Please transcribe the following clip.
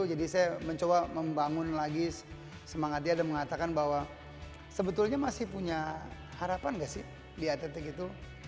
jadi saya mencoba membangun lagi semangat dia dan mengatakan bahwa sebetulnya masih punya harapan gak sih di atletik itu